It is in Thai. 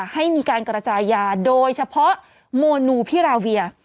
ให้มีการกระจายยาโดยเฉพาะโมนูพิราเวีย